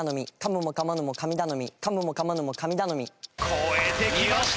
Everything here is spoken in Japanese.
超えてきました。